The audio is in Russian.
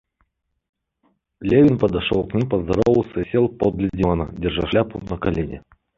Левин подошел к ним, поздоровался и сел подле дивана, держа шляпу на колене.